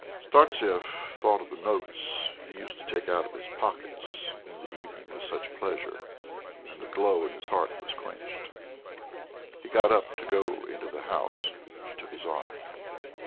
Startsev thought of the notes he used to take out of his pockets in the evening with such pleasure, and the glow in his heart was quenched. He got up to go into the house. She took his arm.